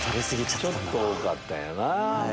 ちょっと多かったんやな。